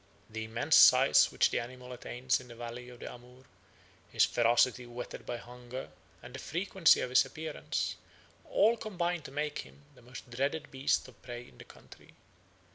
The immense size which the animal attains in the valley of the Amoor, his ferocity whetted by hunger, and the frequency of his appearance, all combine to make him the most dreaded beast of prey in the country.